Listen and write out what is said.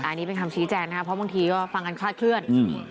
อันนี้เป็นคำชี้แจงนะครับเพราะบางทีก็ฟังกันคลาดเคลื่อน